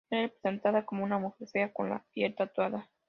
Era representada como una mujer fea con la piel tatuada.